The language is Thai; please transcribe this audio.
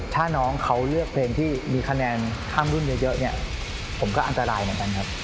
ถ้าน้องเขาเลือกเพลงที่มีคะแนนข้ามรุ่นเยอะเนี่ยผมก็อันตรายเหมือนกันครับ